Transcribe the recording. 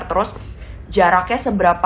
terus jaraknya seberapa